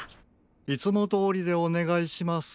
いつもどおりでおねがいします。